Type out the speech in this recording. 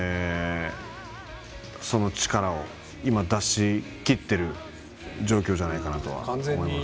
その力を今、出し切っている状況じゃないかなとは思います。